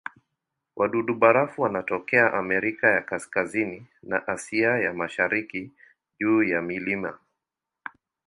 Wadudu-barafu wanatokea Amerika ya Kaskazini na Asia ya Mashariki juu ya milima.